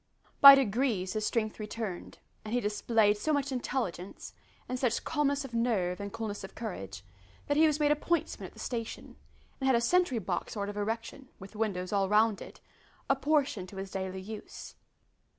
By degrees his strength returned, and he displayed so much intelligence, and such calmness of nerve and coolness of courage, that he was made a pointsman at the station, and had a sentry box sort of erection, with windows all round it, apportioned to his daily use.